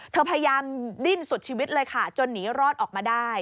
พยายามดิ้นสุดชีวิตเลยค่ะจนหนีรอดออกมาได้